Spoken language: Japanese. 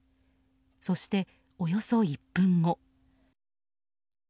そしておよそ１分後。